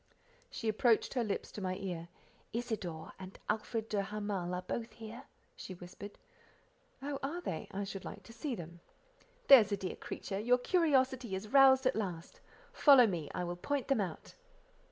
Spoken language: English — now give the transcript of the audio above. She approached her lips to my ear—"Isidore and Alfred de Hamal are both here," she whispered. "Oh! they are? I should like to see them." "There's a dear creature! your curiosity is roused at last. Follow me, I will point them out."